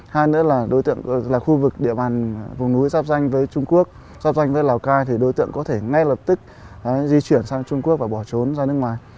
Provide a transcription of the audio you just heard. hai nữa là đối tượng là khu vực địa bàn vùng núi giáp danh với trung quốc sắp danh với lào cai thì đối tượng có thể ngay lập tức di chuyển sang trung quốc và bỏ trốn ra nước ngoài